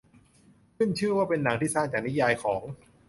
ขึ้นชื่อว่าเป็นหนังที่สร้างจากนิยายของ